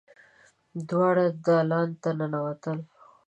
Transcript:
دواړه دالان ته ننوتل.